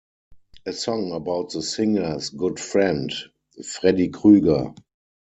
A song about the singers "good friend" Freddy Krueger.